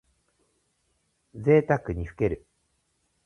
ぜいたくにふける。